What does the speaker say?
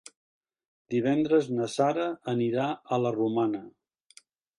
Divendres na Sara anirà a la Romana.